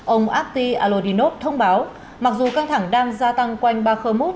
ông akhti alodinot thông báo mặc dù căng thẳng đang gia tăng quanh bakhmut